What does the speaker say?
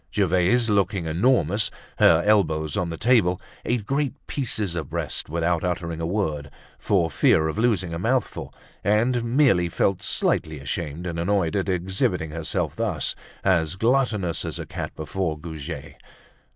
Gervaise, looking enormous, her elbows on the table, ate great pieces of breast, without uttering a word, for fear of losing a mouthful, and merely felt slightly ashamed and annoyed at exhibiting herself thus, as gluttonous as a cat before Goujet.